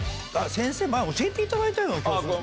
先生前教えていただいたような。